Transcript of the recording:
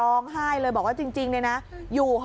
แล้วคุณป้าบอกรถคันเนี้ยเป็นรถคู่ใจเลยนะใช้มานานแล้วในการทำมาหากิน